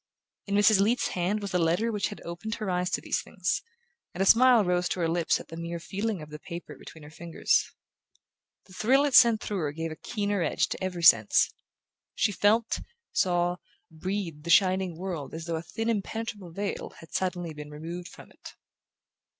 In Mrs. Leath's hand was the letter which had opened her eyes to these things, and a smile rose to her lips at the mere feeling of the paper between her fingers. The thrill it sent through her gave a keener edge to every sense. She felt, saw, breathed the shining world as though a thin impenetrable veil had suddenly been removed from it.